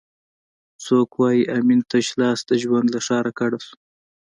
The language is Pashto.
څوک وایي امین تش لاس د ژوند له ښاره کډه شو؟